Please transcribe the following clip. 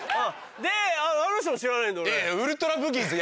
であの人も知らないんだ俺。